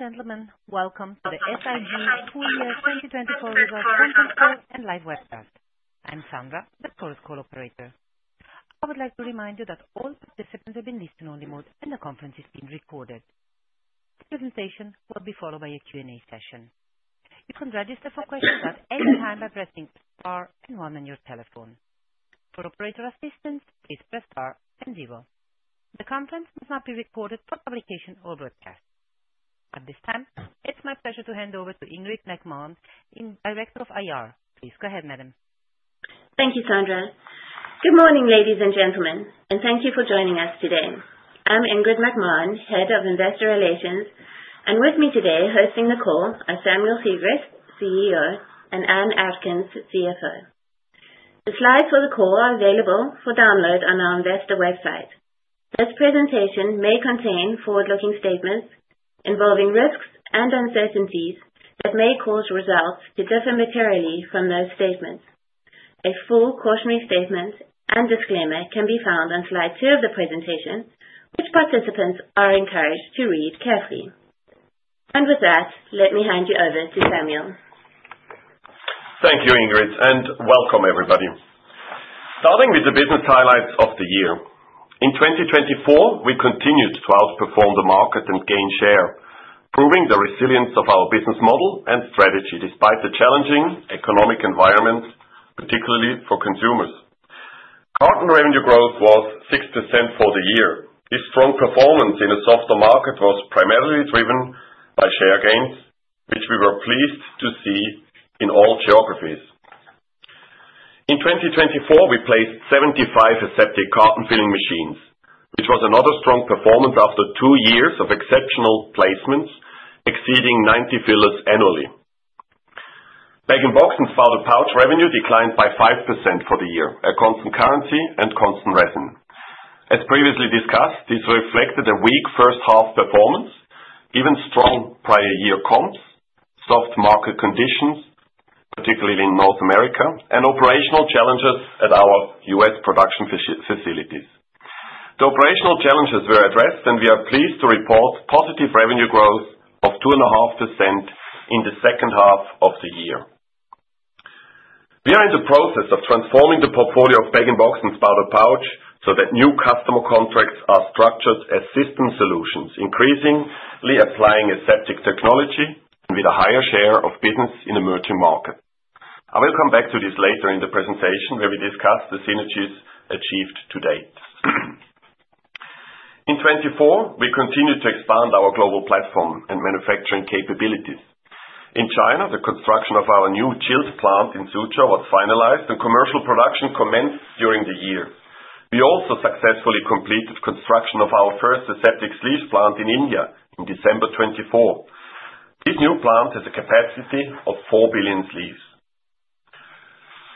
Ladies and gentlemen, welcome to the SIG Full Year 2024 Results Conference Call and Live Webinar. I'm Sandra, the conference operator. I would like to remind you that all participants have been placed in listen-only mode, and the conference is being recorded. The presentation will be followed by a Q&A session. You can register for questions at any time by pressing star and one on your telephone. For operator assistance, please press star and zero. The conference will not be recorded for publication or broadcast. At this time, it's my pleasure to hand over to Ingrid McMahon, Director of IR. Please go ahead, madam. Thank you, Sandra. Good morning, ladies and gentlemen, and thank you for joining us today. I'm Ingrid McMahon, Head of Investor Relations, and with me today hosting the call are Samuel Sigrist, CEO, and Ann-Kristin Erkens, CFO. The slides for the call are available for download on our Investor website. This presentation may contain forward-looking statements involving risks and uncertainties that may cause results to differ materially from those statements. A full cautionary statement and disclaimer can be found on slide two of the presentation, which participants are encouraged to read carefully. With that, let me hand you over to Samuel. Thank you, Ingrid, and welcome, everybody. Starting with the business highlights of the year. In 2024, we continued to outperform the market and gain share, proving the resilience of our business model and strategy despite the challenging economic environment, particularly for consumers. Current revenue growth was 6% for the year. This strong performance in a softer market was primarily driven by share gains, which we were pleased to see in all geographies. In 2024, we placed 75 aseptic carton filling machines, which was another strong performance after two years of exceptional placements, exceeding 90 fillers annually. Bag-in-box and spouted pouch revenue declined by 5% for the year, at constant currency and constant resin. As previously discussed, this reflected a weak first-half performance, given strong prior year comps, soft market conditions, particularly in North America, and operational challenges at our US production facilities. The operational challenges were addressed, and we are pleased to report positive revenue growth of 2.5% in the second half of the year. We are in the process of transforming the portfolio of bag-in-box and spouted pouch so that new customer contracts are structured as system solutions, increasingly applying aseptic technology with a higher share of business in emerging markets. I will come back to this later in the presentation where we discuss the synergies achieved to date. In 2024, we continued to expand our global platform and manufacturing capabilities. In China, the construction of our new chilled plant in Suzhou was finalized, and commercial production commenced during the year. We also successfully completed construction of our first aseptic sleeves plant in India in December 2024. This new plant has a capacity of 4 billion sleeves.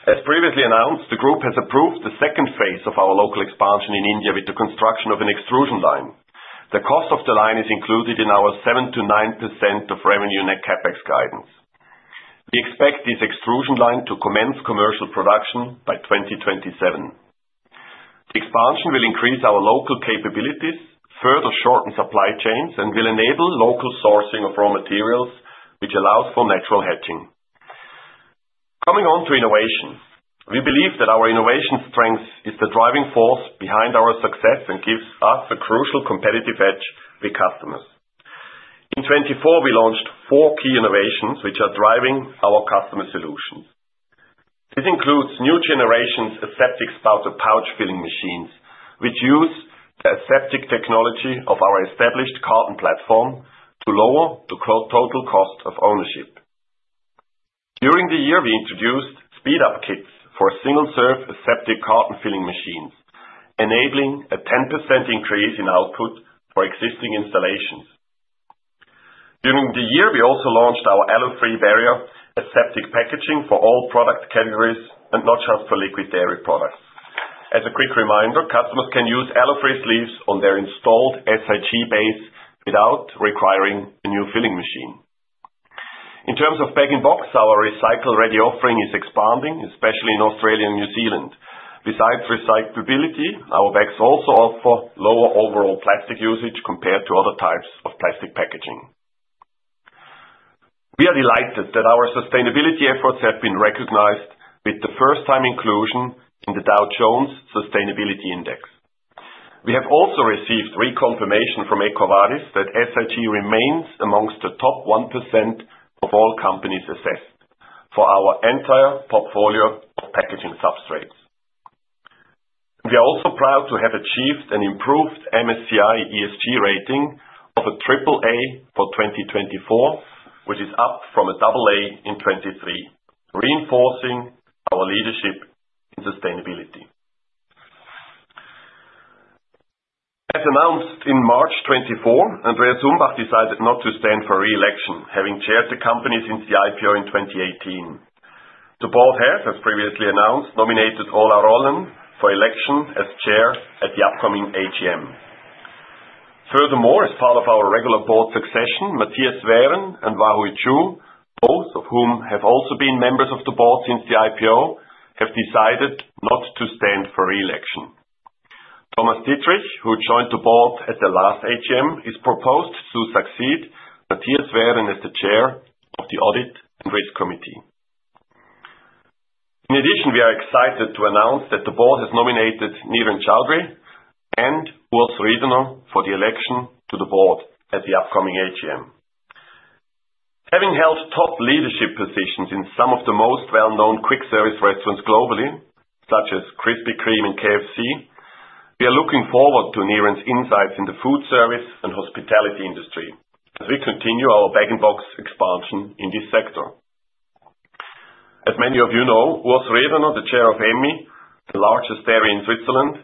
As previously announced, the group has approved the second phase of our local expansion in India with the construction of an extrusion line. The cost of the line is included in our 7% to 9% of revenue net CapEx guidance. We expect this extrusion line to commence commercial production by 2027. The expansion will increase our local capabilities, further shorten supply chains, and will enable local sourcing of raw materials, which allows for natural hedging. Coming on to innovation, we believe that our innovation strength is the driving force behind our success and gives us a crucial competitive edge with customers. In 2024, we launched four key innovations which are driving our customer solutions. This includes new generations of aseptic spouted pouch filling machines, which use the aseptic technology of our established carton platform to lower the total cost of ownership. During the year, we introduced speed-up kits for single-serve aseptic carton filling machines, enabling a 10% increase in output for existing installations. During the year, we also launched our Alu-free barrier aseptic packaging for all product categories and not just for liquid dairy products. As a quick reminder, customers can use Alu-free sleeves on their installed SIG base without requiring a new filling machine. In terms of bag-in-box, our recycle-ready offering is expanding, especially in Australia and New Zealand. Besides recyclability, our bags also offer lower overall plastic usage compared to other types of plastic packaging. We are delighted that our sustainability efforts have been recognized with the first-time inclusion in the Dow Jones Sustainability Index. We have also received reconfirmation from EcoVadis that SIG remains amongst the top 1% of all companies assessed for our entire portfolio of packaging substrates. We are also proud to have achieved an improved MSCI ESG rating of a triple-A for 2024, which is up from a double-A in 2023, reinforcing our leadership in sustainability. As announced in March 2024, Andreas Umbach decided not to stand for re-election, having chaired the company since the IPO in 2018. The board has, as previously announced, nominated Ola Rollén for election as chair at the upcoming AGM. Furthermore, as part of our regular board succession, Matthias Werner and Wah-Hui Chu, both of whom have also been members of the board since the IPO, have decided not to stand for re-election. Thomas Dittrich, who joined the board at the last AGM, is proposed to succeed Matthias Werner as the chair of the Audit and Risk Committee. In addition, we are excited to announce that the board has nominated Niren Choudhary and Urs Riedener for the election to the board at the upcoming AGM. Having held top leadership positions in some of the most well-known quick-service restaurants globally, such as Krispy Kreme and KFC, we are looking forward to Niren's insights in the food service and hospitality industry as we continue our bag-in-box expansion in this sector. As many of you know, Urs Riedener is the chair of Emmi, the largest dairy in Switzerland,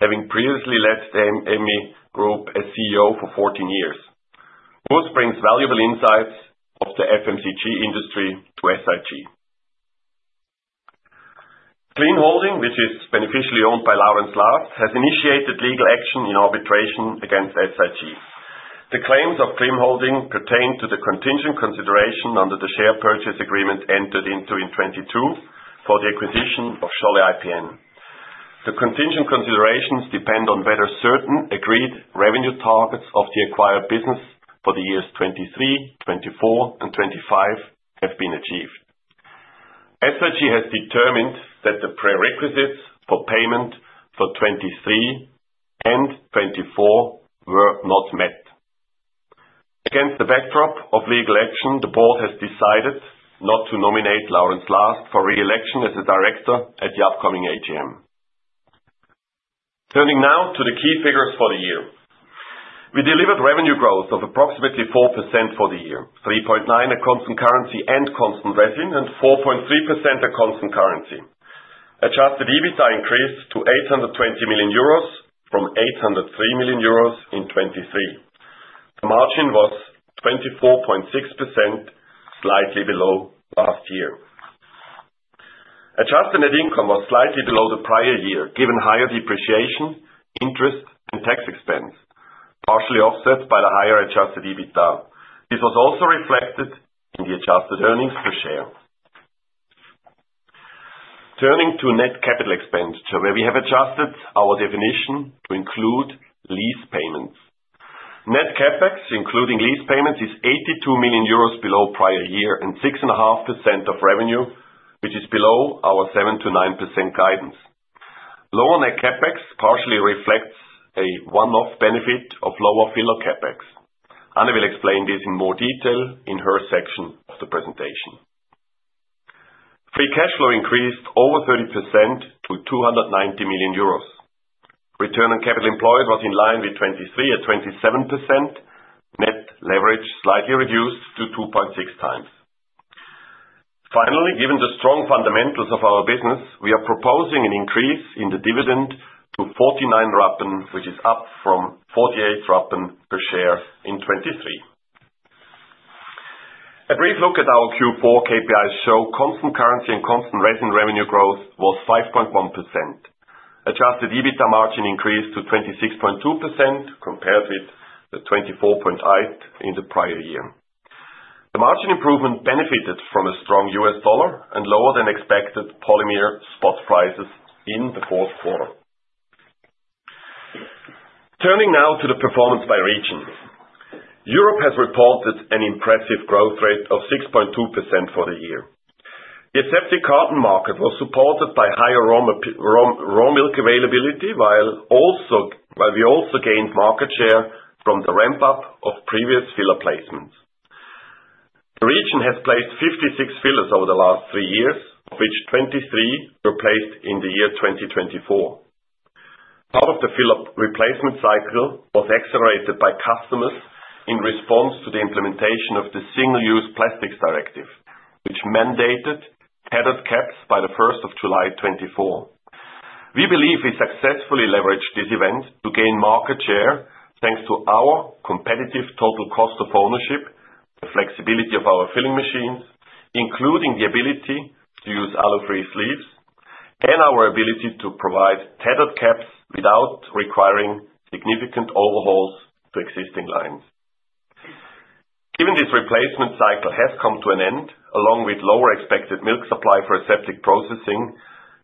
having previously led Emmi Group as CEO for 14 years. Urs brings valuable insights of the FMCG industry to SIG. Clean Holding, which is beneficially owned by Laurens Last, has initiated legal action in arbitration against SIG. The claims of Clean Holding pertain to the contingent consideration under the share purchase agreement entered into in 2022 for the acquisition of Scholle IPN. The contingent considerations depend on whether certain agreed revenue targets of the acquired business for the years 2023, 2024, and 2025 have been achieved. SIG has determined that the prerequisites for payment for 2023 and 2024 were not met. Against the backdrop of legal action, the board has decided not to nominate Laurens Last for re-election as a director at the upcoming AGM. Turning now to the key figures for the year, we delivered revenue growth of approximately 4% for the year, 3.9% at constant currency and constant resin, and 4.3% at constant currency. Adjusted EBITDA increased to 820 million euros from 803 million euros in 2023. The margin was 24.6%, slightly below last year. Adjusted net income was slightly below the prior year, given higher depreciation, interest, and tax expense, partially offset by the higher adjusted EBITDA. This was also reflected in the adjusted earnings per share. Turning to net capital expenditure, where we have adjusted our definition to include lease payments. Net CapEx, including lease payments, is 82 million euros below prior year and 6.5% of revenue, which is below our 7% to 9% guidance. Lower net CapEx partially reflects a one-off benefit of lower filler CapEx. Anna will explain this in more detail in her section of the presentation. Free cash flow increased over 30% to 290 million euros. Return on capital employed was in line with 2023 at 27%. Net leverage slightly reduced to 2.6 times. Finally, given the strong fundamentals of our business, we are proposing an increase in the dividend to 49 Rappen, which is up from 48 Rappen per share in 2023. A brief look at our Q4 KPIs showed constant currency and constant revenue growth was 5.1%. Adjusted EBITDA margin increased to 26.2% compared with the 24.8% in the prior year. The margin improvement benefited from a strong US dollar and lower-than-expected polymer spot prices in the Q4. Turning now to the performance by region, Europe has reported an impressive growth rate of 6.2% for the year. The aseptic carton market was supported by higher raw milk availability, while we also gained market share from the ramp-up of previous filler placements. The region has placed 56 fillers over the last three years, of which 23 were placed in the year 2024. Part of the filler replacement cycle was accelerated by customers in response to the implementation of the single-use plastics directive, which mandated tethered caps by the 1st of July 2024. We believe we successfully leveraged this event to gain market share thanks to our competitive total cost of ownership, the flexibility of our filling machines, including the ability to use Alu-free sleeves, and our ability to provide tethered caps without requiring significant overhauls to existing lines. Given this replacement cycle has come to an end, along with lower expected milk supply for aseptic processing,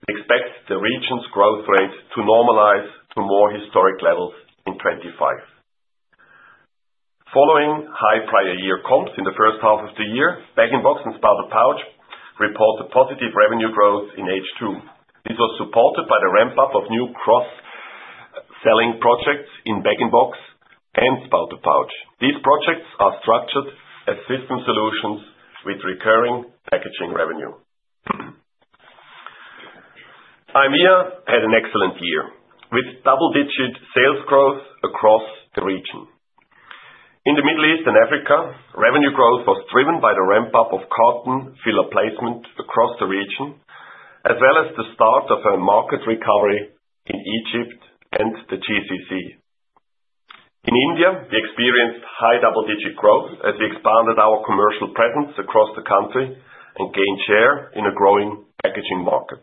we expect the region's growth rate to normalize to more historic levels in 2025. Following high prior year comps in the first half of the year, bag-in-box and spouted pouch reported positive revenue growth in H2. This was supported by the ramp-up of new cross-selling projects in bag-in-box and spouted pouch. These projects are structured as system solutions with recurring packaging revenue. IMEA had an excellent year with double-digit sales growth across the region. In the Middle East and Africa, revenue growth was driven by the ramp-up of carton filler placement across the region, as well as the start of a market recovery in Egypt and the GCC. In India, we experienced high double-digit growth as we expanded our commercial presence across the country and gained share in a growing packaging market.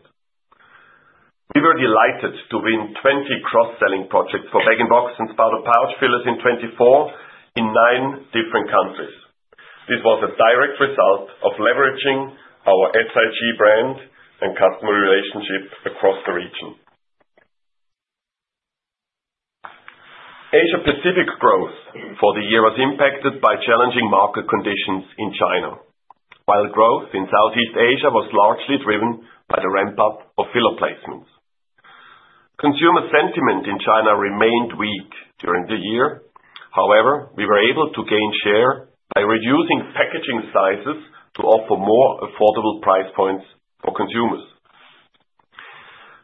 We were delighted to win 20 cross-selling projects for bag-in-box and spouted pouch fillers in 2024 in nine different countries. This was a direct result of leveraging our SIG brand and customer relationship across the region. Asia-Pacific growth for the year was impacted by challenging market conditions in China, while growth in Southeast Asia was largely driven by the ramp-up of filler placements. Consumer sentiment in China remained weak during the year. However, we were able to gain share by reducing packaging sizes to offer more affordable price points for consumers.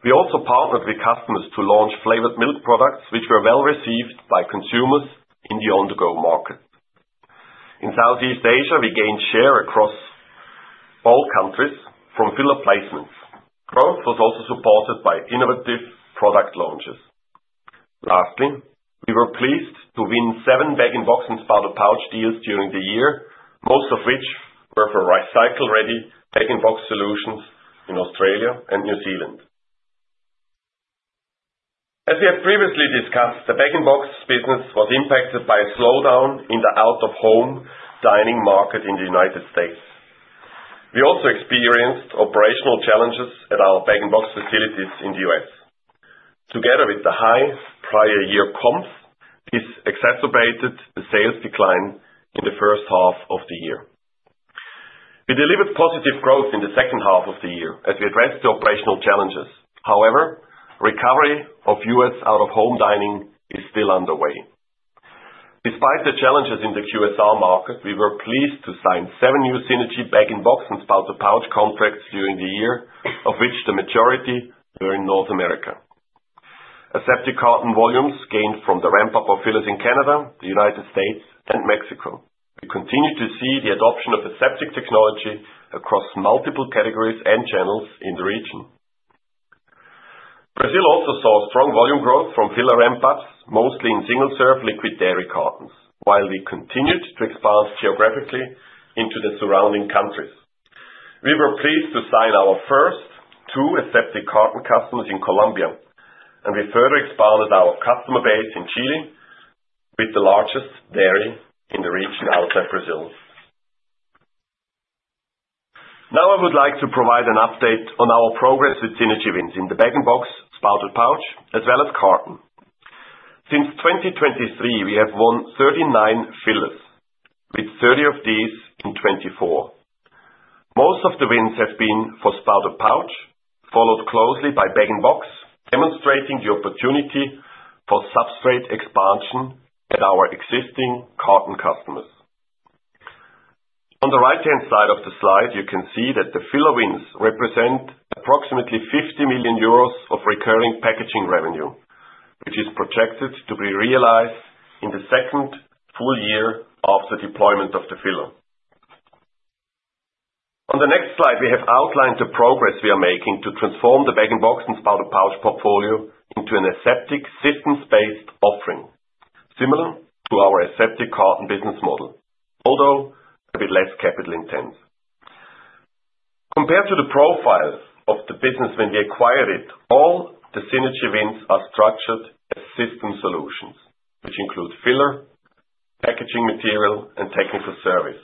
We also partnered with customers to launch flavored milk products, which were well received by consumers in the on-the-go market. In Southeast Asia, we gained share across all countries from filler placements. Growth was also supported by innovative product launches. Lastly, we were pleased to win seven bag-in-boxes and spouted pouch deals during the year, most of which were for recycle-ready bag-in-box solutions in Australia and New Zealand. As we have previously discussed, the bag-in-box business was impacted by a slowdown in the out-of-home dining market in the United States. We also experienced operational challenges at our bag-in-box facilities in the US Together with the high prior year comps, this exacerbated the sales decline in the first half of the year. We delivered positive growth in the second half of the year as we addressed the operational challenges. However, recovery of US out-of-home dining is still underway. Despite the challenges in the QSR market, we were pleased to sign seven new synergy bag-in-box and spouted pouch contracts during the year, of which the majority were in North America. Aseptic carton volumes gained from the ramp-up of fillers in Canada, the United States, and Mexico. We continue to see the adoption of aseptic technology across multiple categories and channels in the region. Brazil also saw strong volume growth from filler ramp-ups, mostly in single-serve liquid dairy cartons, while we continued to expand geographically into the surrounding countries. We were pleased to sign our first two aseptic carton customers in Colombia, and we further expanded our customer base in Chile with the largest dairy in the region outside Brazil. Now, I would like to provide an update on our progress with synergy wins in the bag-in-box, spouted pouch, as well as carton. Since 2023, we have won 39 fillers, with 30 of these in 2024. Most of the wins have been for spouted pouch, followed closely by bag-in-box, demonstrating the opportunity for substrate expansion at our existing carton customers. On the right-hand side of the slide, you can see that the filler wins represent approximately 50 million euros of recurring packaging revenue, which is projected to be realized in the second full year after deployment of the filler. On the next slide, we have outlined the progress we are making to transform the bag-in-box and spouted pouch portfolio into an aseptic systems-based offering similar to our aseptic carton business model, although a bit less capital-intensive. Compared to the profile of the business when we acquired it, all the synergy wins are structured as system solutions, which include filler, packaging material, and technical service,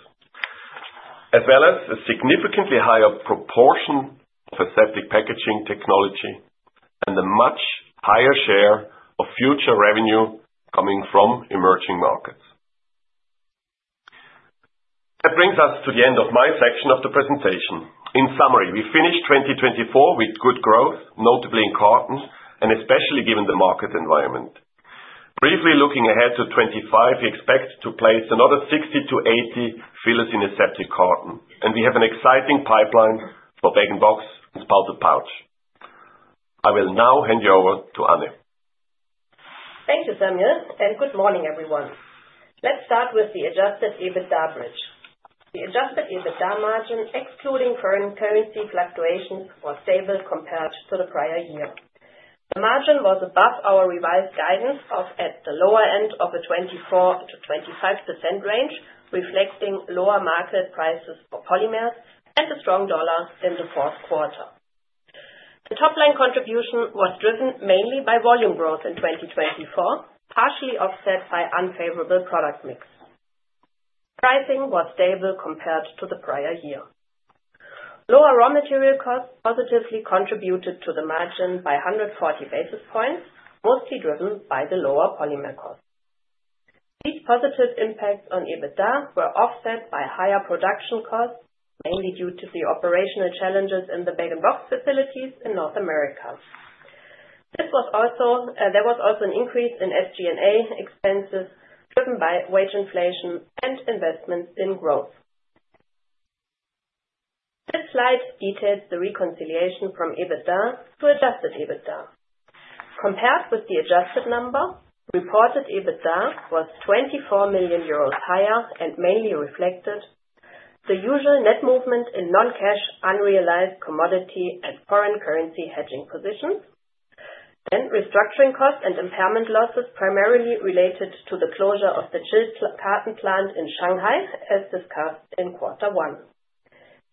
as well as a significantly higher proportion of aseptic packaging technology and a much higher share of future revenue coming from emerging markets. That brings us to the end of my section of the presentation. In summary, we finished 2024 with good growth, notably in carton, and especially given the market environment. Briefly looking ahead to 2025, we expect to place another 60 to 80 fillers in aseptic carton, and we have an exciting pipeline for bag-in-box and spouted pouch. I will now hand you over to Anna. Thank you, Samuel. And good morning, everyone. Let's start with the adjusted EBITDA bridge. The adjusted EBITDA margin, excluding current currency fluctuations, was stable compared to the prior year. The margin was above our revised guidance of at the lower end of a 24% to 25% range, reflecting lower market prices for polymers and a strong dollar in the Q4. The top-line contribution was driven mainly by volume growth in 2024, partially offset by unfavorable product mix. Pricing was stable compared to the prior year. Lower raw material costs positively contributed to the margin by 140 basis points, mostly driven by the lower polymer costs. These positive impacts on EBITDA were offset by higher production costs, mainly due to the operational challenges in the bag-in-box facilities in North America. There was also an increase in SG&A expenses driven by wage inflation and investment in growth. This slide details the reconciliation from EBITDA to adjusted EBITDA. Compared with the adjusted number, reported EBITDA was 24 million euros higher and mainly reflected the usual net movement in non-cash unrealized commodity and foreign currency hedging positions, and restructuring costs and impairment losses primarily related to the closure of the Chilled Carton Plant in Shanghai, as discussed in Q1.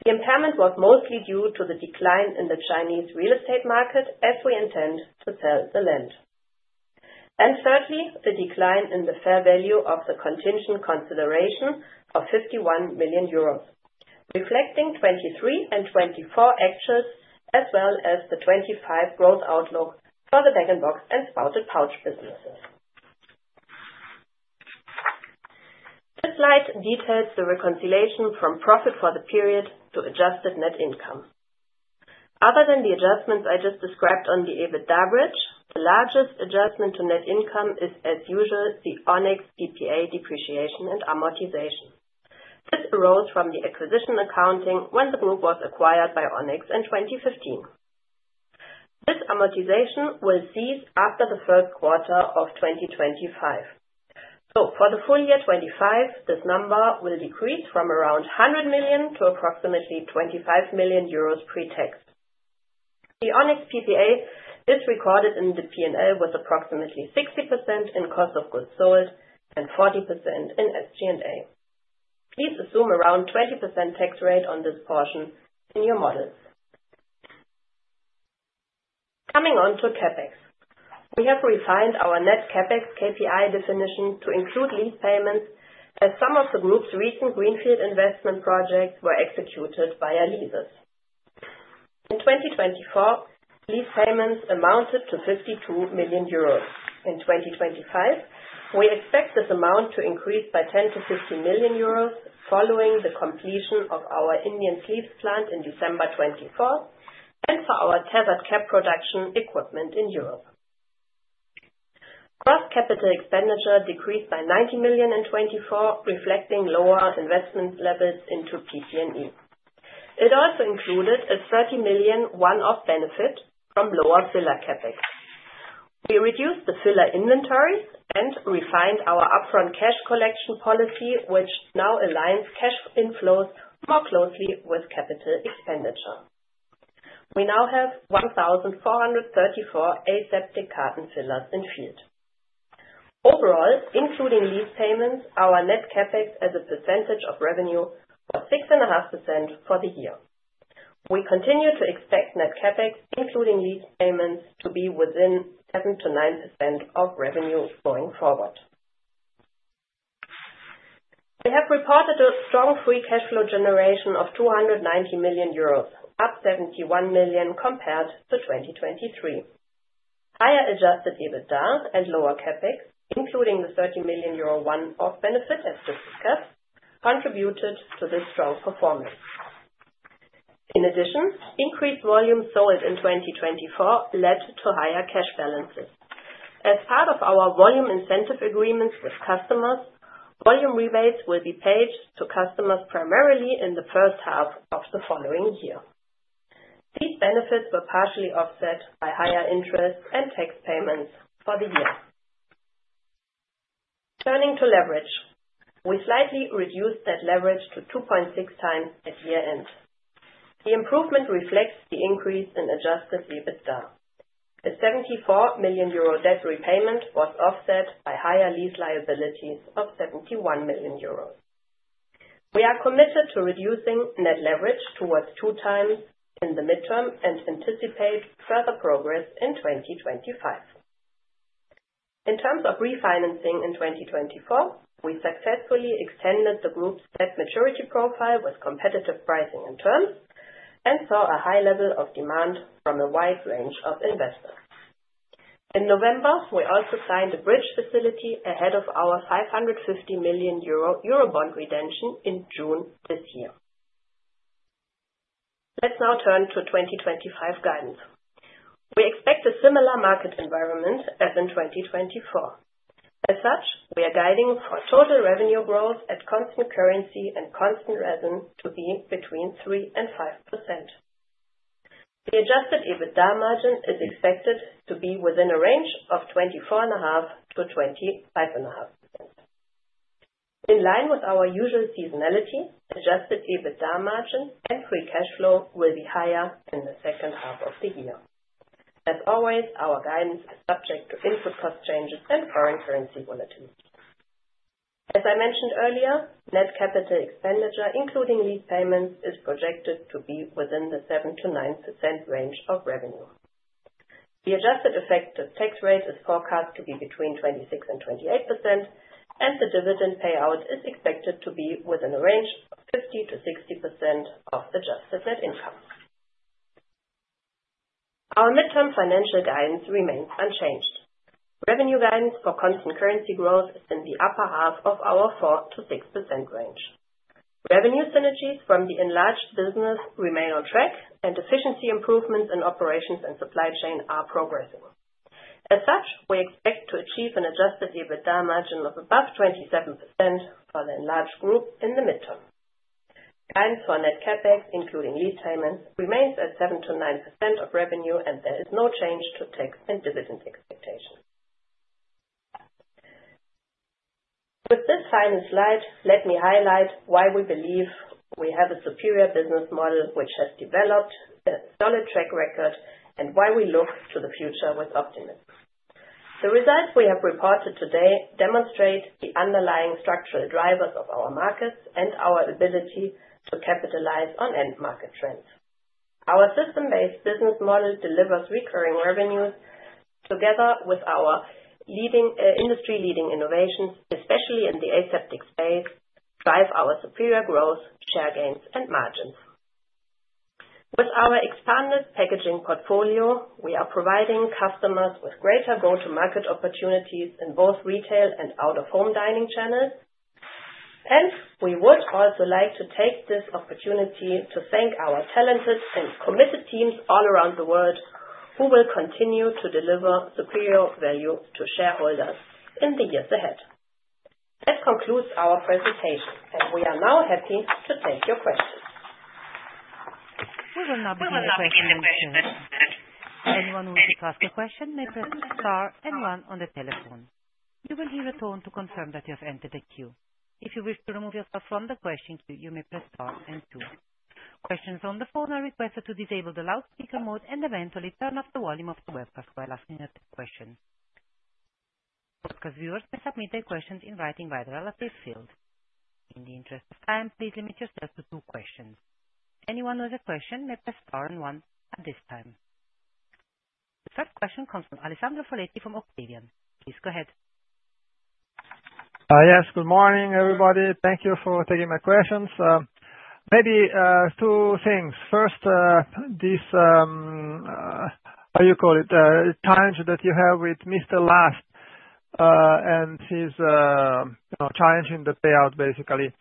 The impairment was mostly due to the decline in the Chinese real estate market, as we intend to sell the land, and thirdly, the decline in the fair value of the contingent consideration of 51 million euros, reflecting 2023 and 2024 actuals, as well as the 2025 growth outlook for the bag-in-box and spouted pouch businesses. This slide details the reconciliation from profit for the period to adjusted net income. Other than the adjustments I just described on the EBITDA bridge, the largest adjustment to net income is, as usual, the Onex PPA depreciation and amortization. This arose from the acquisition accounting when the group was acquired by Onex in 2015. This amortization will cease after the Q1 of 2025. So, for the full year 2025, this number will decrease from around 100 million to approximately 25 million euros pre-tax. The Onex PPA is recorded in the P&L with approximately 60% in cost of goods sold and 40% in SG&A. Please assume around a 20% tax rate on this portion in your models. Coming on to CapEx, we have refined our net CapEx KPI definition to include lease payments, as some of the group's recent greenfield investment projects were executed via leases. In 2024, lease payments amounted to 52 million euros. In 2025, we expect this amount to increase by 10 to 50 million euros following the completion of our Indian Sleeves Plant in December 2024 and for our tethered cap production equipment in Europe. Gross capital expenditure decreased by 90 million in 2024, reflecting lower investment levels into PP&E. It also included a 30 million one-off benefit from lower filler CapEx. We reduced the filler inventories and refined our upfront cash collection policy, which now aligns cash inflows more closely with capital expenditure. We now have 1,434 aseptic carton fillers in the field. Overall, including lease payments, our net CapEx as a percentage of revenue was 6.5% for the year. We continue to expect net CapEx, including lease payments, to be within 7% to 9% of revenue going forward. We have reported a strong free cash flow generation of 290 million euros, up 71 million compared to 2023. Higher adjusted EBITDA and lower CapEx, including the 30 million euro one-off benefit, as just discussed, contributed to this strong performance. In addition, increased volume sold in 2024 led to higher cash balances. As part of our volume incentive agreements with customers, volume rebates will be paid to customers primarily in the first half of the following year. These benefits were partially offset by higher interest and tax payments for the year. Turning to leverage, we slightly reduced net leverage to 2.6 times at year-end. The improvement reflects the increase in adjusted EBITDA. A 74 million euro debt repayment was offset by higher lease liabilities of 71 million euros. We are committed to reducing net leverage towards two times in the midterm and anticipate further progress in 2025. In terms of refinancing in 2024, we successfully extended the group's net maturity profile with competitive pricing and terms and saw a high level of demand from a wide range of investors. In November, we also signed a bridge facility ahead of our 550 million euro Eurobond redemption in June this year. Let's now turn to 2025 guidance. We expect a similar market environment as in 2024. As such, we are guiding for total revenue growth at constant currency and constant revenue to be between 3% and 5%. The adjusted EBITDA margin is expected to be within a range of 24.5% to 25.5%. In line with our usual seasonality, adjusted EBITDA margin and free cash flow will be higher in the second half of the year. As always, our guidance is subject to input cost changes and foreign currency volatility. As I mentioned earlier, net capital expenditure, including lease payments, is projected to be within the 7% to 9% range of revenue. The adjusted effective tax rate is forecast to be between 26% and 28%, and the dividend payout is expected to be within a range of 50% to 60% of adjusted net income. Our midterm financial guidance remains unchanged. Revenue guidance for constant currency growth is in the upper half of our 4% to 6% range. Revenue synergies from the enlarged business remain on track, and efficiency improvements in operations and supply chain are progressing. As such, we expect to achieve an adjusted EBITDA margin of above 27% for the enlarged group in the midterm. Guidance for net CapEx, including lease payments, remains at 7% to 9% of revenue, and there is no change to tax and dividend expectations. With this final slide, let me highlight why we believe we have a superior business model, which has developed a solid track record, and why we look to the future with optimism. The results we have reported today demonstrate the underlying structural drivers of our markets and our ability to capitalize on end-market trends. Our system-based business model delivers recurring revenues, together with our industry-leading innovations, especially in the aseptic space, drive our superior growth, share gains, and margins. With our expanded packaging portfolio, we are providing customers with greater go-to-market opportunities in both retail and out-of-home dining channels, and we would also like to take this opportunity to thank our talented and committed teams all around the world who will continue to deliver superior value to shareholders in the years ahead. That concludes our presentation, and we are now happy to take your questions. We will now begin the questions. Anyone who wishes to ask a question may press Star and one on the telephone. You will hear a tone to confirm that you have entered a queue. If you wish to remove yourself from the question queue, you may press Star and 2. Questions on the phone are requested to disable the loudspeaker mode and eventually turn off the volume of the webcast while asking a question. Broadcast viewers may submit their questions in writing via the relevant field. In the interest of time, please limit yourself to two questions. Anyone who has a question may press Star and one at this time. The first question comes from Alessandro Foletti from Octavian. Please go ahead. Yes, good morning, everybody. Thank you for taking my questions. Maybe two things. First, how do you call it? The challenge that you have with Mr. Last and his challenge in the payout, basically.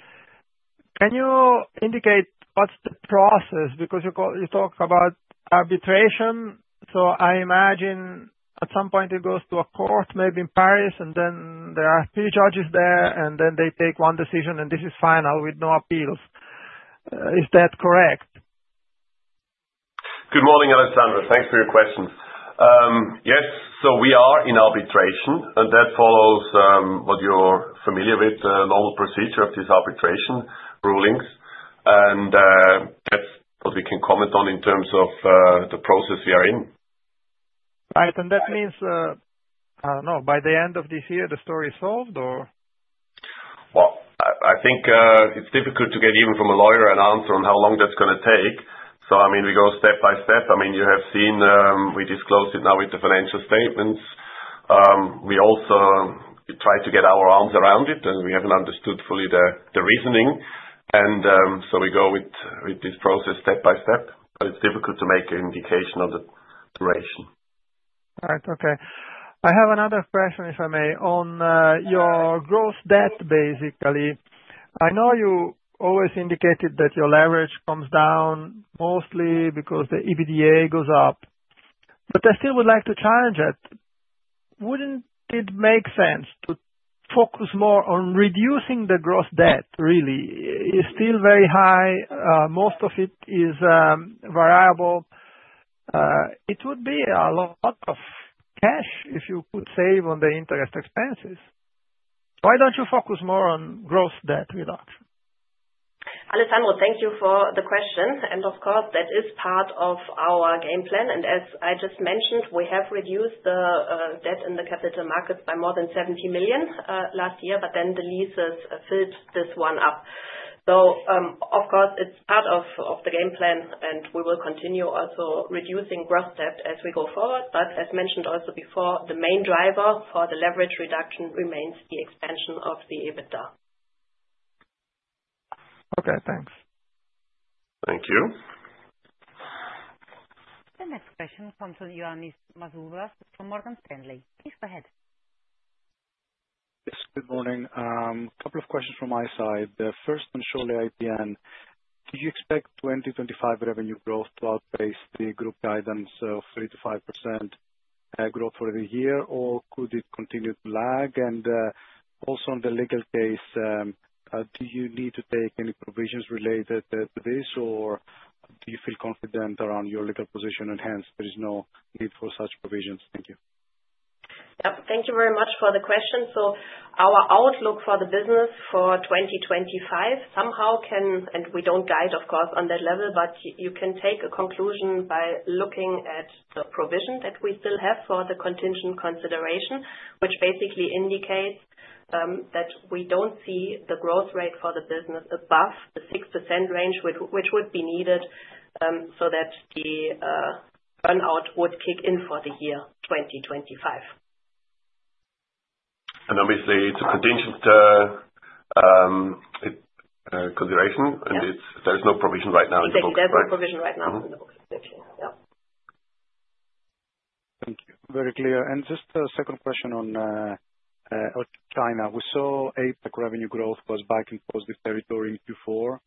Can you indicate what's the process? Because you talk about arbitration, so I imagine at some point it goes to a court, maybe in Paris, and then there are three judges there, and then they take one decision, and this is final with no appeals. Is that correct? Good morning, Alessandro. Thanks for your questions. Yes, so we are in arbitration, and that follows what you're familiar with, the normal procedure of this arbitration rulings. And that's what we can comment on in terms of the process we are in. Right. And that means, I don't know, by the end of this year, the story is solved, or? Well, I think it's difficult to get even from a lawyer an answer on how long that's going to take. So, I mean, we go step by step. I mean, you have seen we disclosed it now with the financial statements. We also tried to get our arms around it, and we haven't understood fully the reasoning, and so we go with this process step by step, but it's difficult to make an indication of the duration. All right. Okay. I have another question, if I may, on your gross debt, basically. I know you always indicated that your leverage comes down mostly because the EBITDA goes up, but I still would like to challenge it. Wouldn't it make sense to focus more on reducing the gross debt, really? It's still very high. Most of it is variable. It would be a lot of cash if you could save on the interest expenses. Why don't you focus more on gross debt reduction? Alessandro, thank you for the question, and of course, that is part of our game plan. As I just mentioned, we have reduced the debt in the capital markets by more than 70 million last year, but then the leases filled this one up. Of course, it's part of the game plan, and we will continue also reducing gross debt as we go forward. As mentioned also before, the main driver for the leverage reduction remains the expansion of the EBITDA. Okay. Thanks. Thank you. The next question comes from Ioannis Masvoulas from Morgan Stanley. Please go ahead. Yes, good morning. A couple of questions from my side. The first one, surely IMEA. Did you expect 2025 revenue growth to outpace the group guidance of 3% to 5% growth for the year, or could it continue to lag? And also on the legal case, do you need to take any provisions related to this, or do you feel confident around your legal position, and hence there is no need for such provisions? Thank you. Thank you very much for the question. So our outlook for the business for 2025 somehow can, and we don't guide, of course, on that level, but you can take a conclusion by looking at the provision that we still have for the contingent consideration, which basically indicates that we don't see the growth rate for the business above the 6% range, which would be needed so that the earn-out would kick in for the year 2025. And obviously, it's a contingent consideration, and there is no provision right now in the book. There's no provision right now in the book. Exactly. Yeah. Thank you. Very clear. Just a second question on China. We saw APAC revenue growth was back in positive territory in Q4.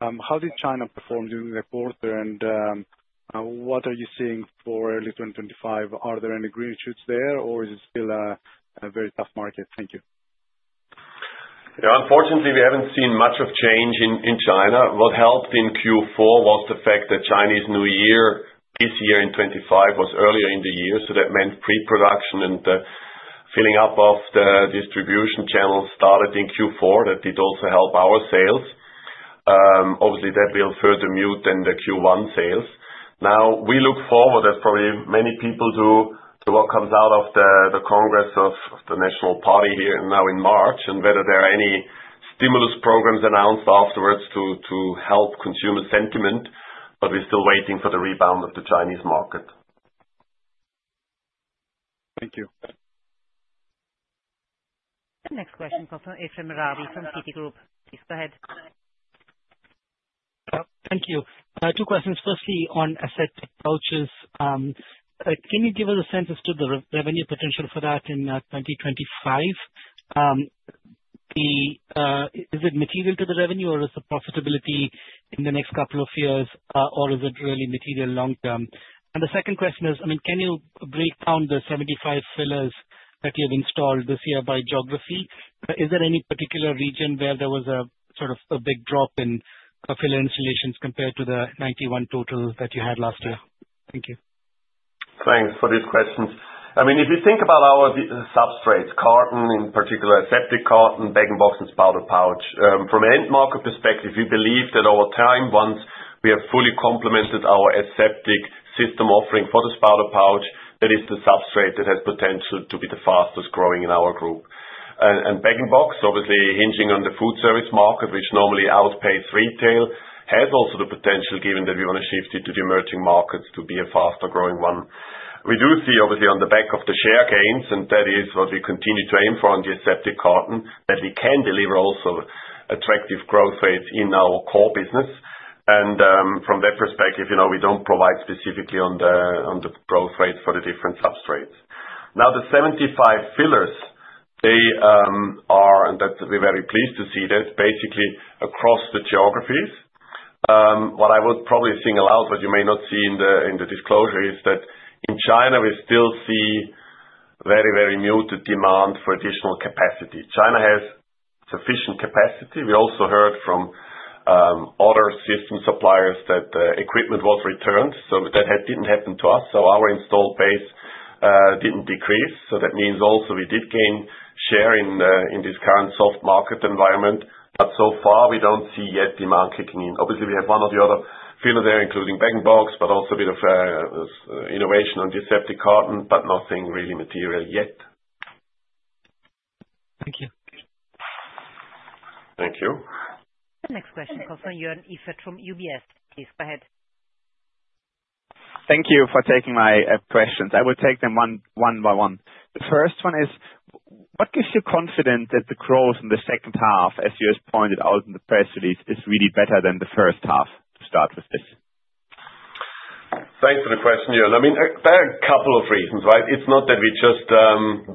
How did China perform during the quarter, and what are you seeing for early 2025? Are there any green shoots there, or is it still a very tough market? Thank you. Yeah. Unfortunately, we haven't seen much of change in China. What helped in Q4 was the fact that Chinese New Year this year in 2025 was earlier in the year, so that meant pre-production and filling up of the distribution channels started in Q4. That did also help our sales. Obviously, that will further mute then the Q1 sales. Now, we look forward, as probably many people do, to what comes out of the Congress of the National Party here now in March and whether there are any stimulus programs announced afterwards to help consumer sentiment, but we're still waiting for the rebound of the Chinese market. Thank you. The next question comes from Ephrem Ravi from Citigroup. Please go ahead. Thank you. Two questions. Firstly, on asset vouchers, can you give us a sense as to the revenue potential for that in 2025? Is it material to the revenue, or is the profitability in the next couple of years, or is it really material long-term? And the second question is, I mean, can you break down the 75 fillers that you have installed this year by geography? Is there any particular region where there was a sort of a big drop in filler installations compared to the 91 total that you had last year? Thank you. Thanks for these questions. I mean, if you think about our substrates, carton in particular, aseptic carton, bag-in-box and spouted pouch, from an end-market perspective, we believe that over time, once we have fully complemented our aseptic system offering for the spouted pouch, that is the substrate that has potential to be the fastest growing in our group, and bag-in-box, obviously hinging on the food service market, which normally outpaces retail, has also the potential, given that we want to shift it to the emerging markets to be a faster-growing one. We do see, obviously, on the back of the share gains, and that is what we continue to aim for on the aseptic carton, that we can deliver also attractive growth rates in our core business. From that perspective, we don't provide specifically on the growth rate for the different substrates. Now, the 75 fillers, they are, and we're very pleased to see that, basically across the geographies. What I would probably single out, what you may not see in the disclosure, is that in China, we still see very, very muted demand for additional capacity. China has sufficient capacity. We also heard from other system suppliers that equipment was returned, so that didn't happen to us. So our installed base didn't decrease. So that means also we did gain share in this current soft market environment, but so far, we don't see yet demand kicking in. Obviously, we have one or the other filler there, including bag-in-box, but also a bit of innovation on the aseptic carton, but nothing really material yet. Thank you. Thank you. The next question comes from Joern Iffert from UBS. Please go ahead. Thank you for taking my questions. I will take them one by one. The first one is, what gives you confidence that the growth in the second half, as you just pointed out in the press release, is really better than the first half? To start with this. Thanks for the question, Ian. I mean, there are a couple of reasons, right? It's not that we just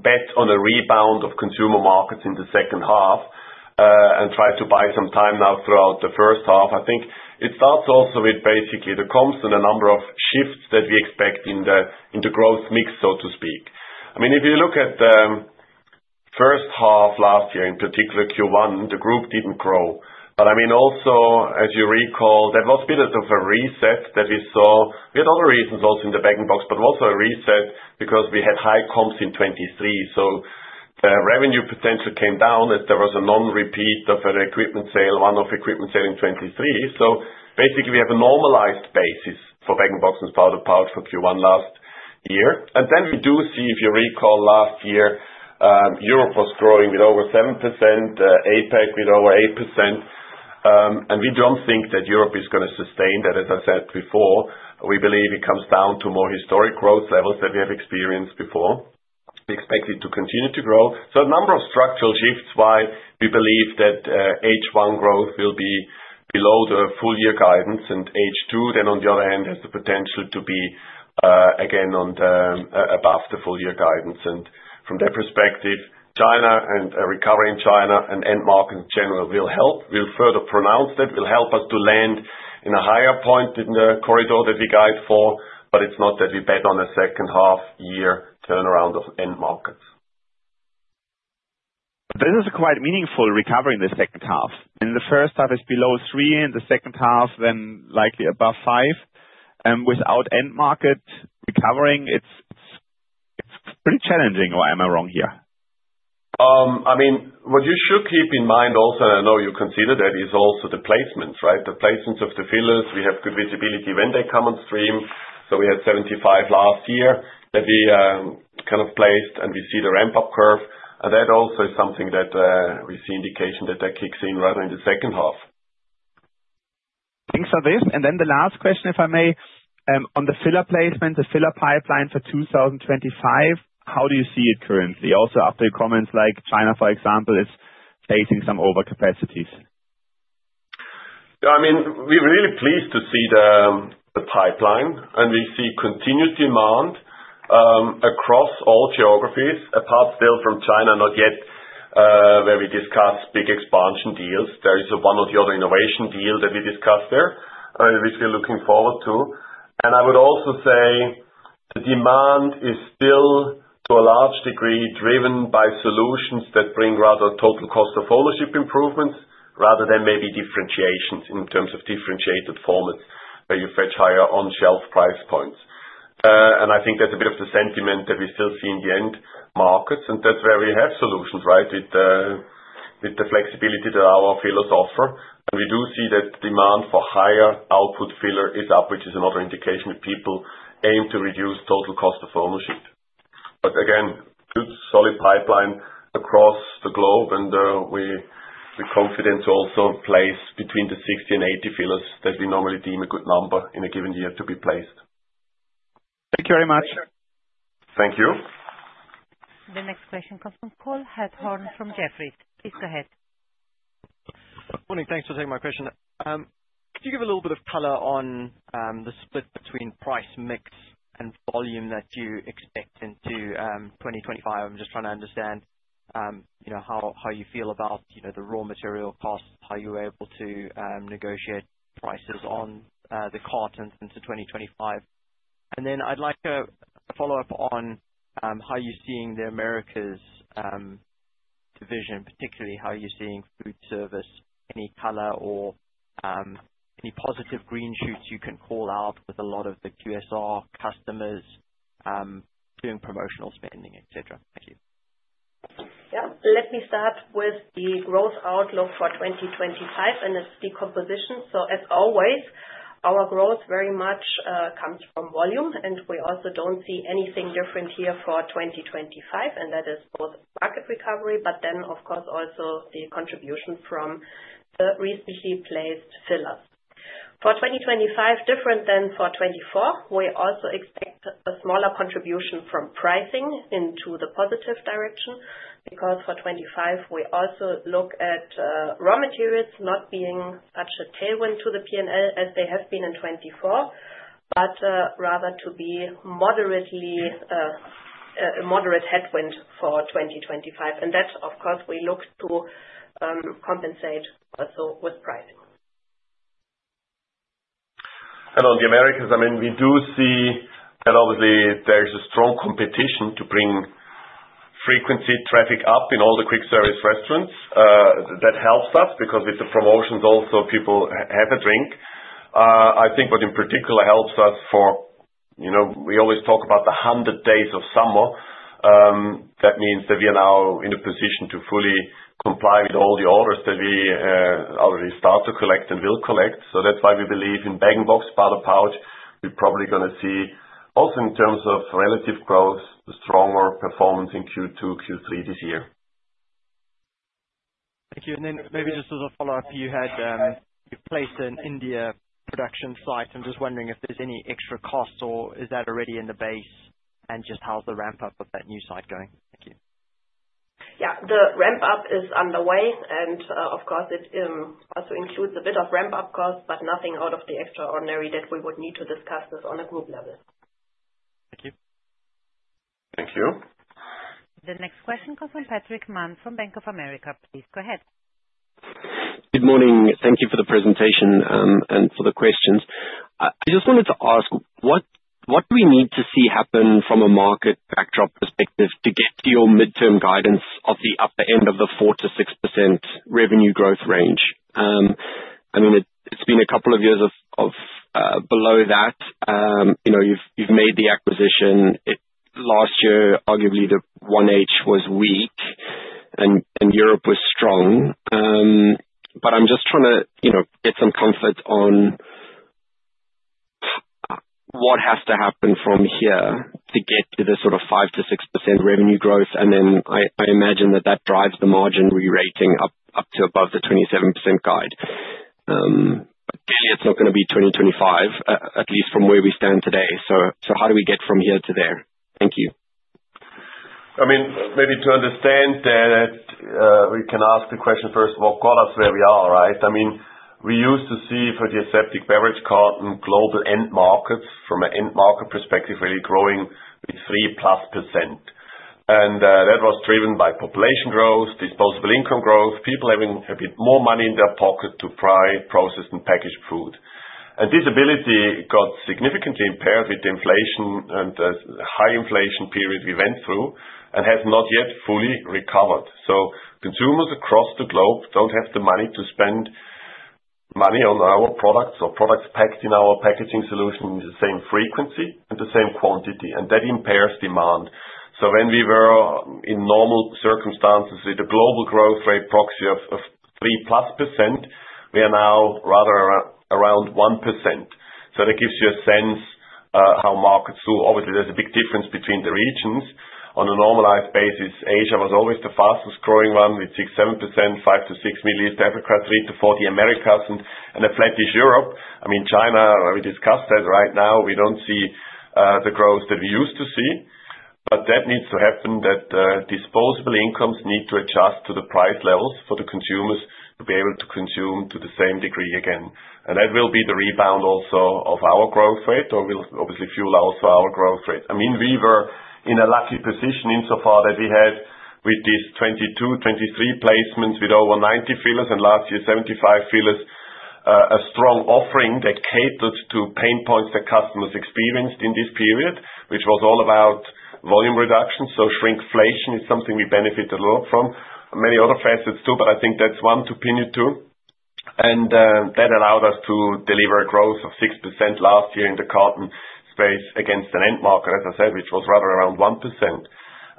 bet on a rebound of consumer markets in the second half and tried to buy some time now throughout the first half. I think it starts also with basically the comps and the number of shifts that we expect in the growth mix, so to speak. I mean, if you look at the first half last year, in particular Q1, the group didn't grow. But I mean, also, as you recall, there was a bit of a reset that we saw. We had other reasons also in the bag-in-box, but also a reset because we had high comps in 2023. So the revenue potential came down as there was a non-repeat of an equipment sale, one-off equipment sale in 2023. So basically, we have a normalized basis for bag-in-box and spouted pouch for Q1 last year. And then we do see, if you recall, last year, Europe was growing with over 7%, APAC with over 8%. And we don't think that Europe is going to sustain that, as I said before. We believe it comes down to more historic growth levels that we have experienced before. We expect it to continue to grow. So a number of structural shifts why we believe that H1 growth will be below the full-year guidance, and H2, then on the other hand, has the potential to be again above the full-year guidance. And from that perspective, China and recovering China and end markets in general will help. We'll further pronounce that will help us to land in a higher point in the corridor that we guide for, but it's not that we bet on a second-half year turnaround of end markets. This is quite meaningful recovery in the second half. In the first half, it's below 3, and the second half, then likely above 5. Without end market recovering, it's pretty challenging. Or am I wrong here? I mean, what you should keep in mind also, and I know you consider that, is also the placements, right? The placements of the fillers. We have good visibility when they come on stream. So we had 75 last year that we kind of placed, and we see the ramp-up curve. And that also is something that we see indication that that kicks in rather in the second half. Thanks for this. And then the last question, if I may, on the filler placement, the filler pipeline for 2025, how do you see it currently? Also, after your comments like China, for example, is facing some overcapacities. Yeah. I mean, we're really pleased to see the pipeline, and we see continued demand across all geographies, apart still from China, not yet where we discuss big expansion deals. There is one or the other innovation deal that we discussed there, which we're looking forward to. And I would also say the demand is still, to a large degree, driven by solutions that bring rather total cost of ownership improvements rather than maybe differentiations in terms of differentiated formats where you fetch higher on-shelf price points. And I think that's a bit of the sentiment that we still see in the end markets, and that's where we have solutions, right, with the flexibility that our fillers offer. And we do see that demand for higher output filler is up, which is another indication that people aim to reduce total cost of ownership. But again, good solid pipeline across the globe, and we're confident to also place between the 60 and 80 fillers that we normally deem a good number in a given year to be placed. Thank you very much. Thank you. The next question comes from Cole Hathorn from Jefferies. Please go ahead. Good morning. Thanks for taking my question. Could you give a little bit of color on the split between price mix and volume that you expect into 2025? I'm just trying to understand how you feel about the raw material costs, how you were able to negotiate prices on the carton into 2025. And then I'd like a follow-up on how you're seeing the Americas division, particularly how you're seeing food service, any color or any positive green shoots you can call out with a lot of the QSR customers doing promotional spending, etc. Thank you. Yep. Let me start with the growth outlook for 2025 and its decomposition. As always, our growth very much comes from volume, and we also don't see anything different here for 2025, and that is both market recovery, but then, of course, also the contribution from the recently placed fillers. For 2025, different than for 2024, we also expect a smaller contribution from pricing into the positive direction because for 2025, we also look at raw materials not being such a tailwind to the P&L as they have been in 2024, but rather to be a moderate headwind for 2025. That, of course, we look to compensate also with pricing. On the Americas, I mean, we do see that obviously there's a strong competition to bring frequency traffic up in all the quick-service restaurants. That helps us because with the promotions also, people have a drink. I think what in particular helps us, for we always talk about the 100 days of summer. That means that we are now in a position to fully comply with all the orders that we already start to collect and will collect. So that's why we believe in bag-in-box, spouted pouch. We're probably going to see also in terms of relative growth, stronger performance in Q2, Q3 this year. Thank you. And then maybe just as a follow-up, you've placed an India production site. I'm just wondering if there's any extra costs, or is that already in the base, and just how's the ramp-up of that new site going? Thank you. Yeah. The ramp-up is underway, and of course, it also includes a bit of ramp-up costs, but nothing out of the extraordinary that we would need to discuss this on a group level. Thank you. Thank you. The next question comes from Patrick Mann from Bank of America. Please go ahead. Good morning. Thank you for the presentation and for the questions. I just wanted to ask, what do we need to see happen from a market backdrop perspective to get to your midterm guidance of the upper end of the 4% to 6% revenue growth range? I mean, it's been a couple of years of below that. You've made the acquisition. Last year, arguably the 1H was weak, and Europe was strong. But I'm just trying to get some comfort on what has to happen from here to get to the sort of 5% to 6% revenue growth, and then I imagine that that drives the margin re-rating up to above the 27% guide. But clearly, it's not going to be 2025, at least from where we stand today. So how do we get from here to there? Thank you. I mean, maybe to understand that, we can ask the question first of all, what got us where we are, right? I mean, we used to see for the aseptic beverage carton global end markets, from an end market perspective, really growing with 3% plus. And that was driven by population growth, disposable income growth, people having a bit more money in their pocket to buy, process, and package food. And disposable got significantly impaired with inflation and the high inflation period we went through and has not yet fully recovered. So consumers across the globe don't have the money to spend money on our products or products packed in our packaging solution with the same frequency and the same quantity, and that impairs demand. So when we were in normal circumstances with a global growth rate proxy of 3% plus, we are now rather around 1%. So that gives you a sense how markets do. Obviously, there's a big difference between the regions. On a normalized basis, Asia was always the fastest growing one with 6% to 7%, 5% to 6% Middle East, Africa 3% to 4%, the Americas, and a flat-ish Europe. I mean, China, we discussed that right now. We don't see the growth that we used to see. But that needs to happen, that disposable incomes need to adjust to the price levels for the consumers to be able to consume to the same degree again. And that will be the rebound also of our growth rate, or will obviously fuel also our growth rate. I mean, we were in a lucky position insofar that we had, with these 2022, 2023 placements with over 90 fillers and last year 75 fillers, a strong offering that catered to pain points that customers experienced in this period, which was all about volume reduction. So shrinkflation is something we benefited a lot from. Many other facets too, but I think that's one to pin into. And that allowed us to deliver a growth of 6% last year in the carton space against an end market, as I said, which was rather around 1%.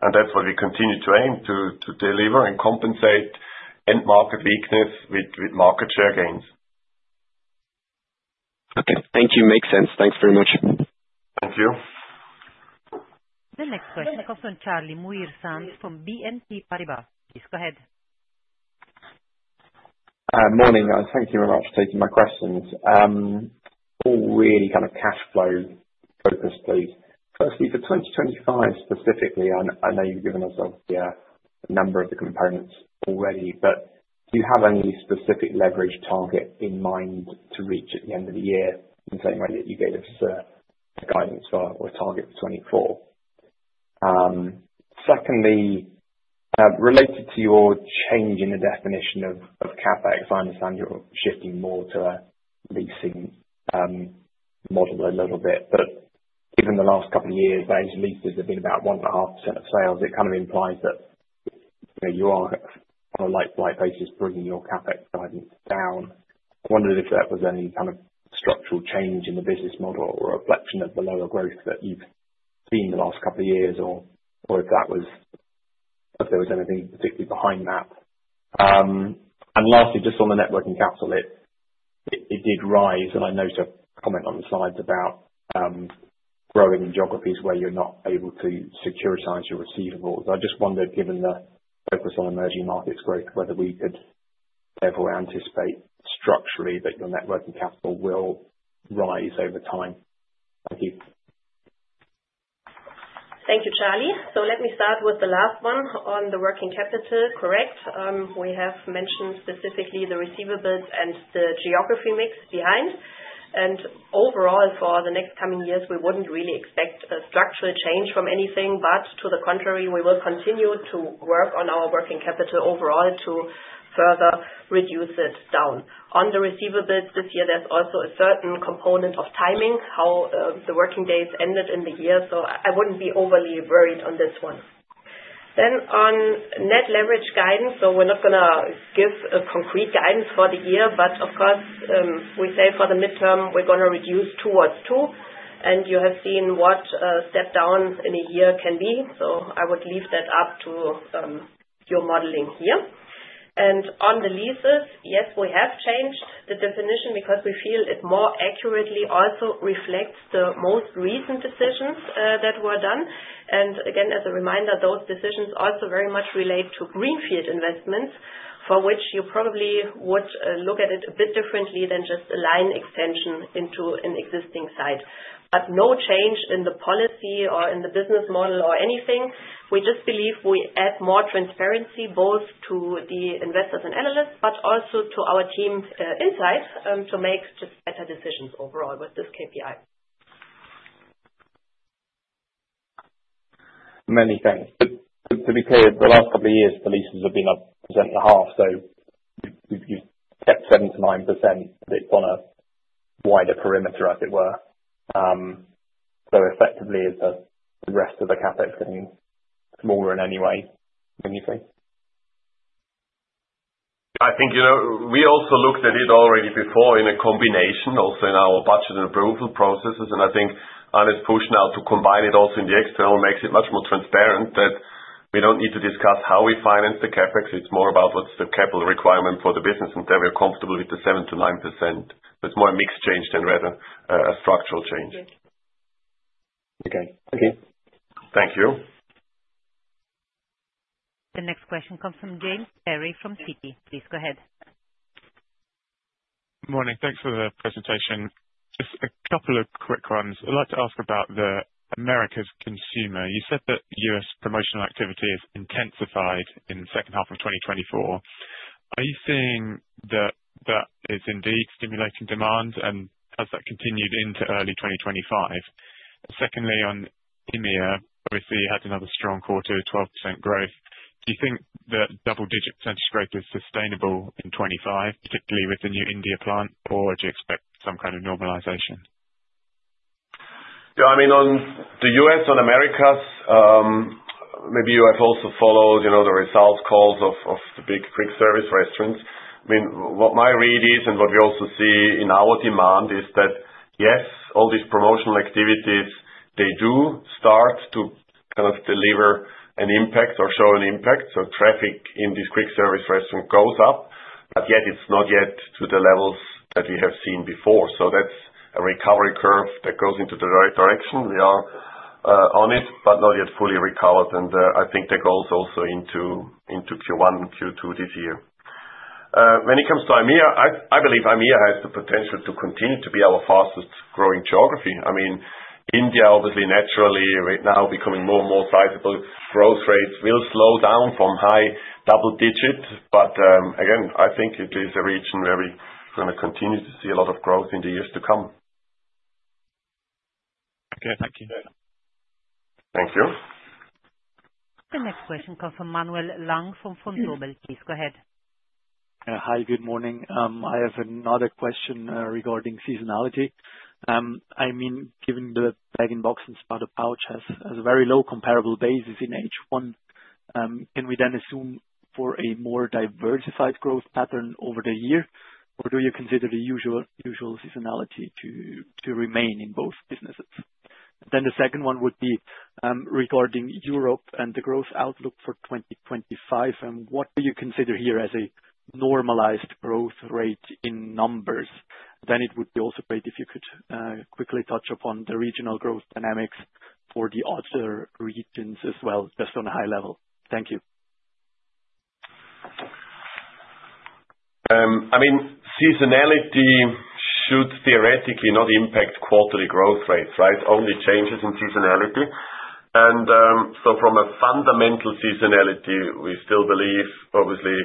And that's what we continue to aim to deliver and compensate end market weakness with market share gains. Okay. Thank you. Makes sense. Thanks very much. Thank you. The next question comes from Charlie Muir-Sands from BNP Paribas. Please go ahead. Morning. Thank you very much for taking my questions. All really kind of cash flow focused, please. Firstly, for 2025 specifically, I know you've given us a number of the components already, but do you have any specific leverage target in mind to reach at the end of the year in the same way that you gave us a guidance for or a target for 2024? Secondly, related to your change in the definition of CapEx, I understand you're shifting more to a leasing model a little bit, but given the last couple of years, those leases have been about 1.5% of sales. It kind of implies that you are on a like-for-like basis bringing your CapEx guidance down. I wondered if that was any kind of structural change in the business model or a reflection of the lower growth that you've seen the last couple of years or if there was anything particularly behind that. And lastly, just on the working capital, it did rise, and I noticed a comment on the slides about growing in geographies where you're not able to securitize your receivables. I just wondered, given the focus on emerging markets growth, whether we could therefore anticipate structurally that your working capital will rise over time. Thank you. Thank you, Charlie. So let me start with the last one on the working capital, correct? We have mentioned specifically the receivables and the geography mix behind. Overall, for the next coming years, we wouldn't really expect a structural change from anything, but to the contrary, we will continue to work on our working capital overall to further reduce it down. On the receivables this year, there's also a certain component of timing, how the working days ended in the year, so I wouldn't be overly worried on this one. On net leverage guidance, so we're not going to give a concrete guidance for the year, but of course, we say for the midterm, we're going to reduce towards 2, and you have seen what a step down in a year can be. I would leave that up to your modeling here. On the leases, yes, we have changed the definition because we feel it more accurately also reflects the most recent decisions that were done. Again, as a reminder, those decisions also very much relate to greenfield investments for which you probably would look at it a bit differently than just a line extension into an existing site. But no change in the policy or in the business model or anything. We just believe we add more transparency both to the investors and analysts, but also to our team inside to make just better decisions overall with this KPI. Many thanks. To be clear, the last couple of years, the leases have been up 1.5%, so you've kept 7% to 9%. It's on a wider perimeter, as it were. So effectively, the rest of the CapEx getting smaller in any way, wouldn't you think? I think we also looked at it already before in a combination, also in our budget and approval processes, and I think Ann-Kristin's push now to combine it also in the external makes it much more transparent that we don't need to discuss how we finance the CapEx. It's more about what's the capital requirement for the business, and they're very comfortable with the 7% to 9%. So it's more a mixed change than rather a structural change. Okay. Thank you. Thank you. The next question comes from James Perry from Citi. Please go ahead. Morning. Thanks for the presentation. Just a couple of quick ones. I'd like to ask about the Americas consumer. You said that US promotional activity has intensified in the second half of 2024. Are you seeing that that is indeed stimulating demand, and has that continued into early 2025? Secondly, on India, obviously, you had another strong quarter of 12% growth. Do you think that double-digit percentage growth is sustainable in 2025, particularly with the new India plant, or do you expect some kind of normalization? Yeah. I mean, on the US, on Americas, maybe you have also followed the results calls of the big quick-service restaurants. I mean, what my read is, and what we also see in our demand, is that, yes, all these promotional activities, they do start to kind of deliver an impact or show an impact. So traffic in this quick-service restaurant goes up, but yet it's not yet to the levels that we have seen before. So that's a recovery curve that goes into the right direction. We are on it, but not yet fully recovered, and I think that goes also into Q1 and Q2 this year. When it comes to IMEA, I believe IMEA has the potential to continue to be our fastest growing geography. I mean, India, obviously, naturally, right now, becoming more and more sizable. Growth rates will slow down from high double-digits, but again, I think it is a region where we're going to continue to see a lot of growth in the years to come. Okay. Thank you. Thank you. The next question comes from Manuel Lang from Vontobel. Please go ahead. Hi. Good morning. I have another question regarding seasonality. I mean, given the bag-in-box and spouted pouch has a very low comparable basis in H1, can we then assume for a more diversified growth pattern over the year, or do you consider the usual seasonality to remain in both businesses? Then the second one would be regarding Europe and the growth outlook for 2025, and what do you consider here as a normalized growth rate in numbers? Then it would be also great if you could quickly touch upon the regional growth dynamics for the other regions as well, just on a high level. Thank you. I mean, seasonality should theoretically not impact quarterly growth rates, right? Only changes in seasonality. And so from a fundamental seasonality, we still believe, obviously,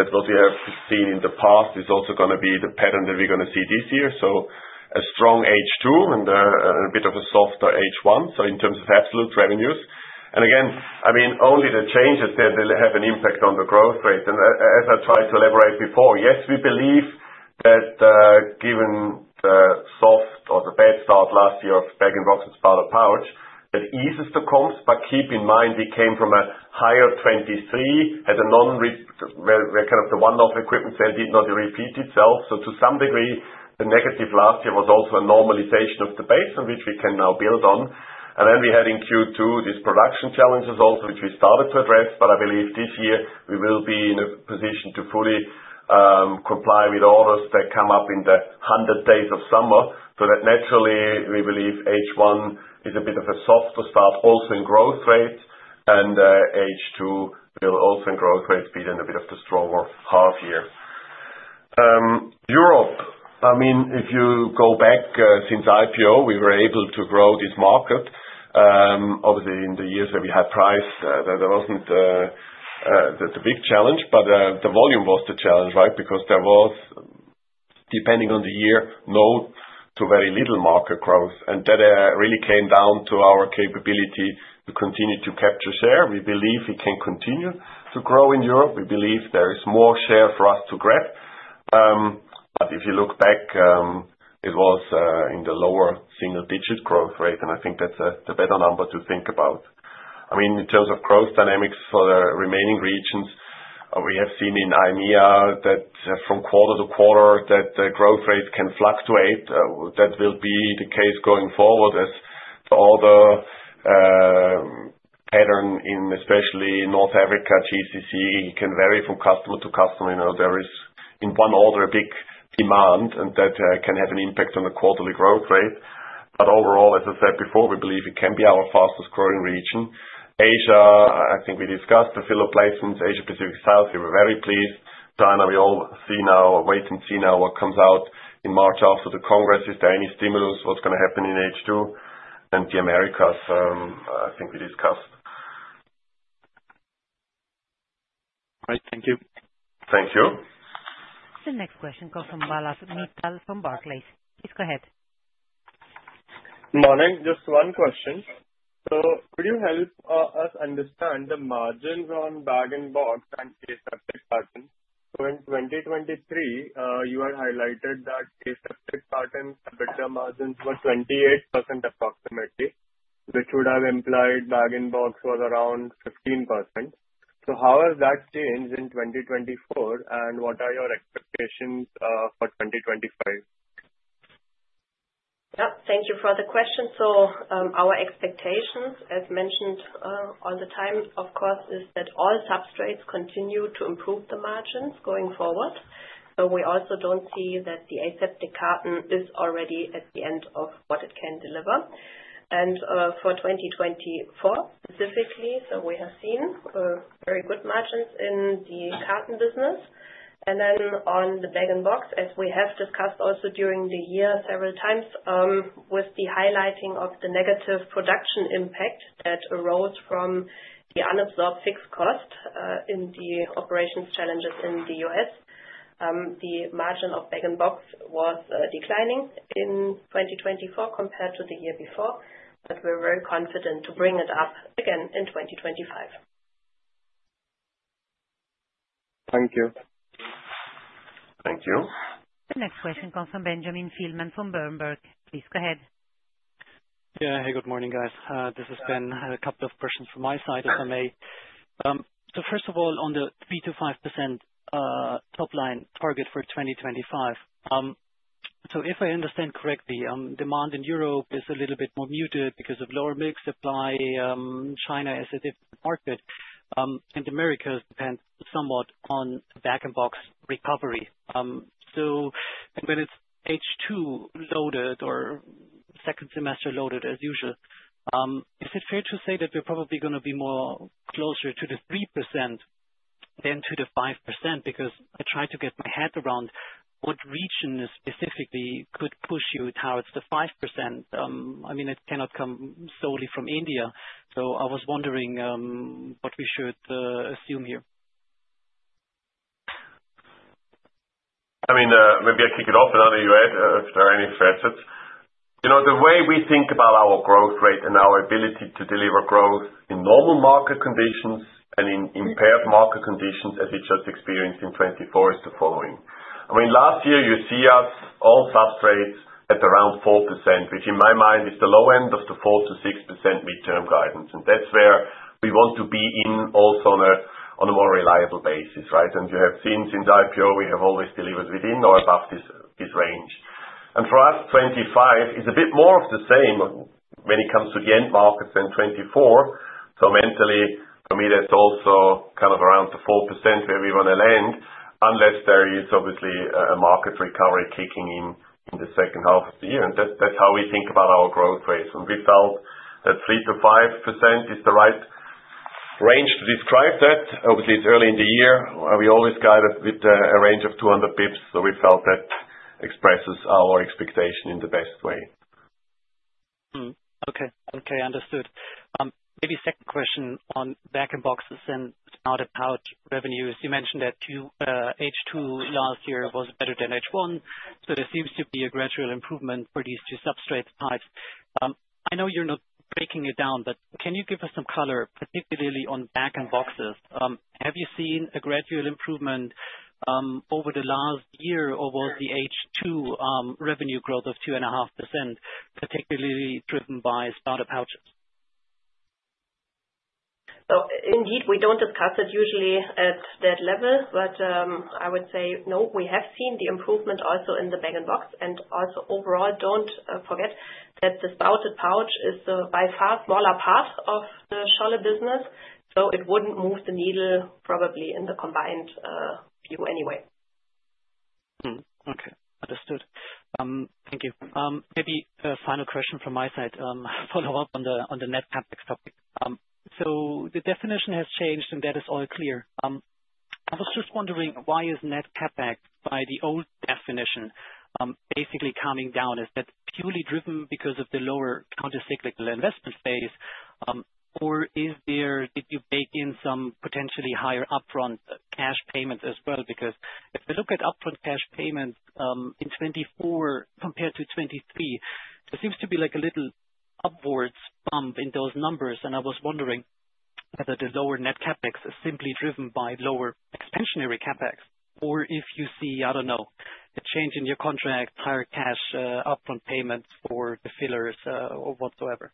that what we have seen in the past is also going to be the pattern that we're going to see this year. So a strong H2 and a bit of a softer H1, so in terms of absolute revenues. And again, I mean, only the changes that have an impact on the growth rate. And as I tried to elaborate before, yes, we believe that given the soft or the bad start last year of bag-in-box and spouted pouch, that eases the comps, but keep in mind we came from a higher 2023 as now, we're kind of the one-off equipment sale did not repeat itself. So to some degree, the negative last year was also a normalization of the base on which we can now build on. And then we had in Q2 these production challenges also, which we started to address, but I believe this year we will be in a position to fully comply with orders that come up in the 100 days of summer. So that naturally, we believe H1 is a bit of a softer start also in growth rate, and H2 will also in growth rate be then a bit of the stronger half year. Europe, I mean, if you go back since IPO, we were able to grow this market. Obviously, in the years where we had price, there wasn't the big challenge, but the volume was the challenge, right? Because there was, depending on the year, no to very little market growth, and that really came down to our capability to continue to capture share. We believe we can continue to grow in Europe. We believe there is more share for us to grab. But if you look back, it was in the lower single-digit growth rate, and I think that's a better number to think about. I mean, in terms of growth dynamics for the remaining regions, we have seen in EMEA that from quarter to quarter that the growth rate can fluctuate. That will be the case going forward as the order pattern in, especially North Africa, GCC, can vary from customer to customer. There is, in one order, a big demand, and that can have an impact on the quarterly growth rate. But overall, as I said before, we believe it can be our fastest growing region. Asia, I think we discussed the filler placements. Asia-Pacific South, we were very pleased. China, we all see now, wait and see now what comes out in March after the congress. Is there any stimulus? What's going to happen in H2? And the Americas, I think we discussed. All right. Thank you. Thank you. The next question comes from Pallav Mittal from Barclays. Please go ahead. Morning. Just one question. So could you help us understand the margins on bag-in-box and aseptic carton? So in 2023, you had highlighted that adjusted segmental operating margins were 28% approximately, which would have implied bag-in-box was around 15%. So how has that changed in 2024, and what are your expectations for 2025? Yeah. Thank you for the question. So our expectations, as mentioned all the time, of course, is that all substrates continue to improve the margins going forward. So we also don't see that the aseptic carton is already at the end of what it can deliver. And for 2024 specifically, so we have seen very good margins in the carton business. Then on the bag-in-box, as we have discussed also during the year several times with the highlighting of the negative production impact that arose from the unabsorbed fixed cost in the operations challenges in the US, the margin of bag-in-box was declining in 2024 compared to the year before, but we're very confident to bring it up again in 2025. Thank you. Thank you. The next question comes from Benjamin Thielmann from Berenberg. Please go ahead. Yeah. Hey, good morning, guys. I have a couple of questions from my side, if I may. So first of all, on the 3% to 5% top-line target for 2025, so if I understand correctly, demand in Europe is a little bit more muted because of lower milk supply. China is a different market, and America depends somewhat on bag-in-box recovery. So when it's H2 loaded or second semester loaded as usual, is it fair to say that we're probably going to be more closer to the 3% than to the 5%? Because I tried to get my head around what region specifically could push you towards the 5%. I mean, it cannot come solely from India. So I was wondering what we should assume here. I mean, maybe I kick it off, and then you add if there are any facets. The way we think about our growth rate and our ability to deliver growth in normal market conditions and in impaired market conditions, as we just experienced in 2024, is the following. I mean, last year, you see us all substrates at around 4%, which in my mind is the low end of the 4% to 6% midterm guidance. And that's where we want to be in also on a more reliable basis, right? And you have seen since IPO, we have always delivered within or above this range. And for us, 2025 is a bit more of the same when it comes to the end markets than 2024. So mentally, for me, that's also kind of around the 4% where we want to land, unless there is obviously a market recovery kicking in in the second half of the year. And that's how we think about our growth rates. And we felt that 3% to 5% is the right range to describe that. Obviously, it's early in the year. We always guide it with a range of 200 basis points, so we felt that expresses our expectation in the best way. Okay. Okay. Understood. Maybe second question on bag-in-box and spouted pouch revenues. You mentioned that H2 last year was better than H1, so there seems to be a gradual improvement for these two substrate types. I know you're not breaking it down, but can you give us some color, particularly on bag-in-boxes? Have you seen a gradual improvement over the last year or was the H2 revenue growth of 2.5% particularly driven by spouted pouches? So indeed, we don't discuss it usually at that level, but I would say, no, we have seen the improvement also in the bag-in-box. And also overall, don't forget that the spouted pouch is a by far smaller part of the Scholle business, so it wouldn't move the needle probably in the combined view anyway. Okay. Understood. Thank you. Maybe a final question from my side, follow-up on the net CapEx topic. So the definition has changed, and that is all clear. I was just wondering, why is net CapEx by the old definition basically coming down? Is that purely driven because of the lower countercyclical investment phase, or did you bake in some potentially higher upfront cash payments as well? Because if we look at upfront cash payments in 2024 compared to 2023, there seems to be a little upwards bump in those numbers. And I was wondering whether the lower net CapEx is simply driven by lower expansionary CapEx, or if you see, I don't know, a change in your contract, higher cash upfront payments for the fillers or whatsoever.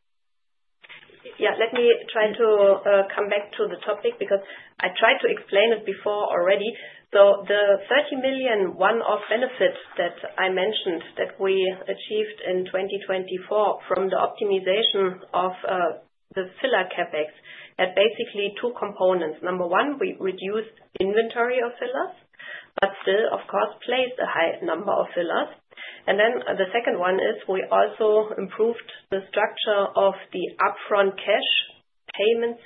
Yeah. Let me try to come back to the topic because I tried to explain it before already. So the 30 million one-off benefit that I mentioned that we achieved in 2024 from the optimization of the filler CapEx had basically two components. Number one, we reduced inventory of fillers, but still, of course, placed a high number of fillers. And then the second one is we also improved the structure of the upfront cash payments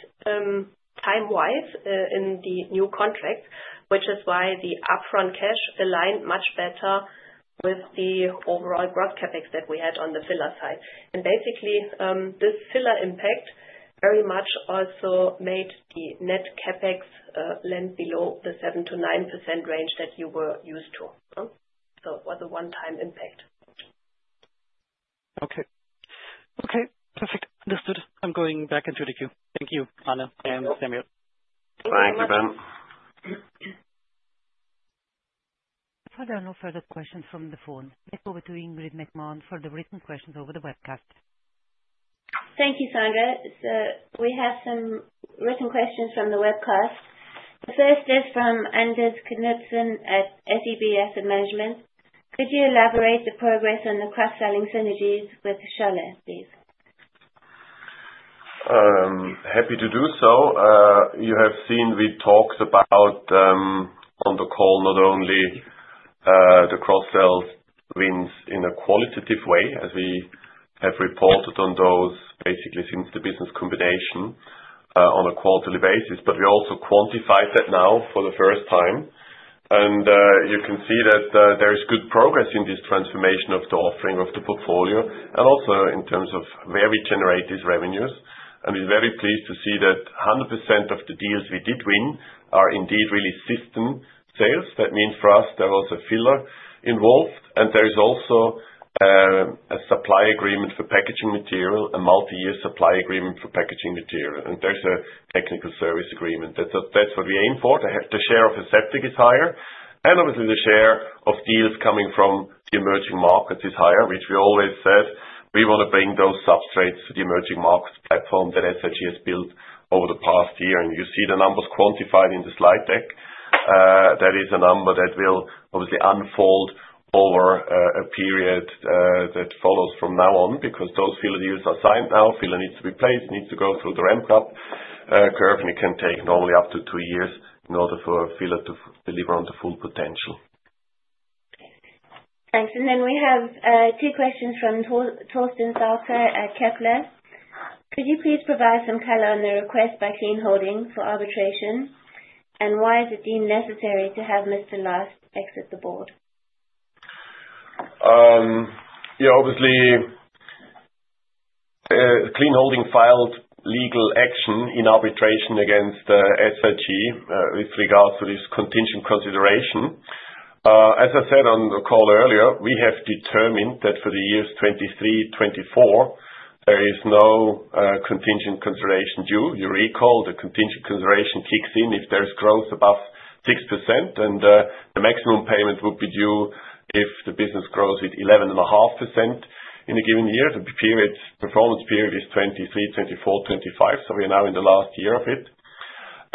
time-wise in the new contracts, which is why the upfront cash aligned much better with the overall gross CapEx that we had on the filler side. And basically, this filler impact very much also made the net CapEx land below the 7% to 9% range that you were used to. So it was a one-time impact. Okay. Okay. Perfect. Understood. I'm going back into the queue. Thank you, Anna and Samuel. Thank you, Ben. No further questions from the phone. Let's move to Ingrid McMahon for the written questions over the webcast. Thank you, Sandra. So we have some written questions from the webcast. The first is from Anders Knudsen at SEB Asset Management. Could you elaborate on the progress on the cross-selling synergies with Scholle, please? Happy to do so. You have seen we talked about on the call not only the cross-sell wins in a qualitative way, as we have reported on those basically since the business combination on a quarterly basis, but we also quantified that now for the first time. You can see that there is good progress in this transformation of the offering of the portfolio and also in terms of where we generate these revenues. We're very pleased to see that 100% of the deals we did win are indeed really system sales. That means for us there was a filler involved, and there is also a supply agreement for packaging material, a multi-year supply agreement for packaging material, and there's a technical service agreement. That's what we aim for. The share of aseptic is higher, and obviously, the share of deals coming from the emerging markets is higher, which we always said we want to bring those substrates to the emerging markets platform that SIG has built over the past year, and you see the numbers quantified in the slide deck. That is a number that will obviously unfold over a period that follows from now on because those filler deals are signed now. Filler needs to be placed, needs to go through the ramp-up curve, and it can take normally up to two years in order for a filler to deliver on the full potential. Thanks, and then we have two questions from Torsten Sauter at Kepler Cheuvreux. Could you please provide some color on the request by Clean Holding for arbitration, and why is it deemed necessary to have Mr. Last exited the board? Yeah. Obviously, Clean Holding filed legal action in arbitration against SIG with regards to this contingent consideration. As I said on the call earlier, we have determined that for the years 2023, 2024, there is no contingent consideration due. You recall the contingent consideration kicks in if there's growth above 6%, and the maximum payment would be due if the business grows at 11.5% in a given year. The performance period is 2023, 2024, 2025, so we are now in the last year of it.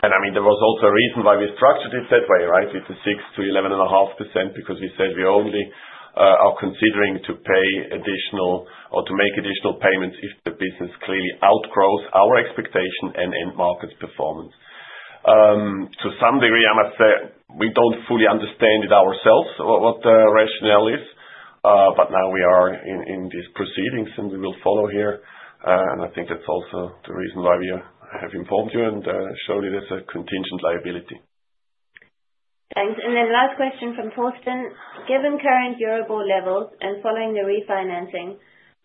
And I mean, there was also a reason why we structured it that way, right, with the 6% to 11.5%, because we said we only are considering to pay additional or to make additional payments if the business clearly outgrows our expectation and end markets performance. To some degree, I must say we don't fully understand it ourselves what the rationale is, but now we are in these proceedings, and we will follow here. And I think that's also the reason why we have informed you and showed you there's a contingent liability. Thanks. And then last question from Torsten. Given current debt levels and following the refinancing,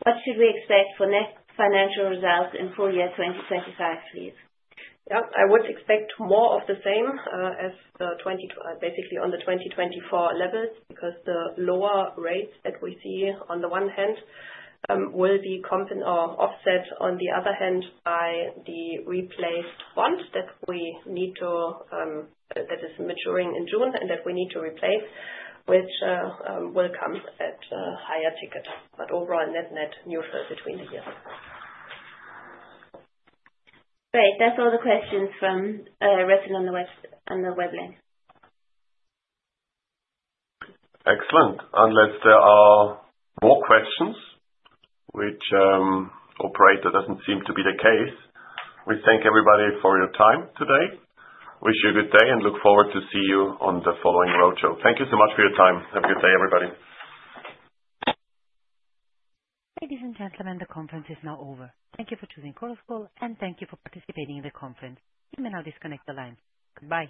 what should we expect for net financial results in full year 2025, please? Yeah. I would expect more of the same as basically on the 2024 levels because the lower rates that we see on the one hand will be offset on the other hand by the replaced bond that is maturing in June and that we need to replace, which will come at a higher ticket. But overall, net neutral between the years. Great. That's all the questions from the registrants on the web link. Excellent. Unless there are more questions, which the operator doesn't seem to be the case, we thank everybody for your time today. Wish you a good day and look forward to see you on the following roadshow. Thank you so much for your time. Have a good day, everybody. Ladies and gentlemen, the conference is now over. Thank you for choosing Chorus Call, and thank you for participating in the conference. You may now disconnect the line. Goodbye.